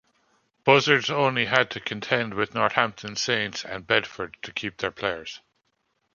Buzzards only had to contend with Northampton Saints and Bedford to keep their players.